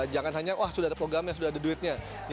jangan hanya wah sudah ada programnya sudah ada duitnya